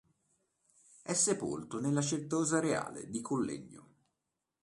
È sepolto nella Certosa reale di Collegno.